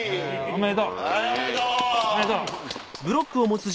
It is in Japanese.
おめでとう。